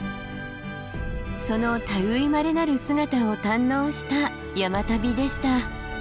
そのたぐいまれなる姿を堪能した山旅でした。